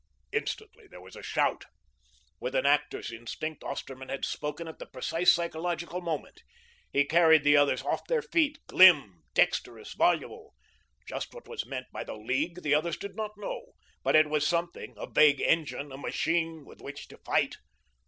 Instantly there was a shout. With an actor's instinct, Osterman had spoken at the precise psychological moment. He carried the others off their feet, glib, dexterous, voluble. Just what was meant by the League the others did not know, but it was something, a vague engine, a machine with which to fight.